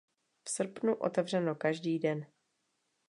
V srpnu otevřeno každý den.